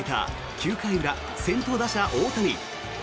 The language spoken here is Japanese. ９回裏先頭打者、大谷。